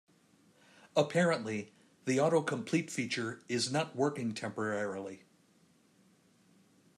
Apparently, the autocomplete feature is not working temporarily.